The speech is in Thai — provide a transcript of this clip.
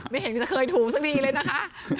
ไม่เห็นจะเคยถูกสักทีเลยนะคะ